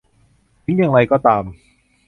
ถึงอย่างไรก็ตาม